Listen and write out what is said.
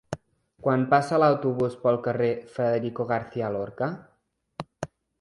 Quan passa l'autobús pel carrer Federico García Lorca?